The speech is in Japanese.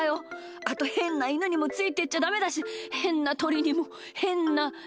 あとへんなイヌにもついてっちゃダメだしへんなとりにもへんなネコにも。